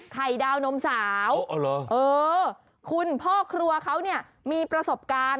ไข่ดาวนมสาวเออคุณพ่อครัวเขาเนี่ยมีประสบการณ์